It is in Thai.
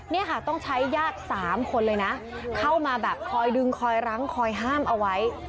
นี่ค่ะต้องใช้ญาติ๓คนเลยนะเข้ามาแบบคอยดึงคอยรั้งคอยห้ามเอาไว้